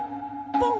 ポン！